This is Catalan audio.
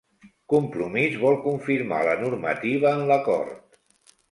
Compromís vol confirmar la normativa en l'acord